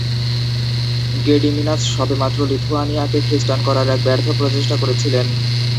Gediminas সবেমাত্র লিথুয়ানিয়াকে খ্রিস্টান করার এক ব্যর্থ প্রচেষ্টা করেছিলেন।